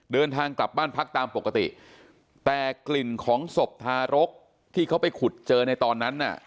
เดินทางกลับบ้านพักตามปกติแต่กลิ่นของศพทารกที่เขาไปขุดเจอในตอนนั้นน่ะ